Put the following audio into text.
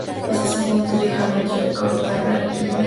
Pasó su juventud viajando entre Kabul, Agra y Lahore.